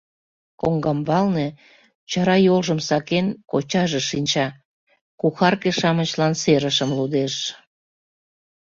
Коҥгамбалне, чара йолжым сакен, кочаже шинча, кухарке-шамычлан серышым лудеш.